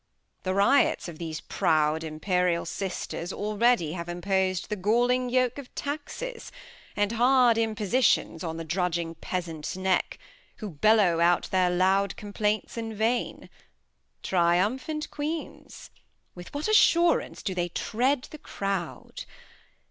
The Riots of these proud imperial Sisters Already have impos'd the galling Yoke Of Taxes, and hard Impossitions, on The drudging Peasant's Neck, who bellow out Their loud Complaints in vain — Triumphant Queens! With what Assurance do they treat the Crowd.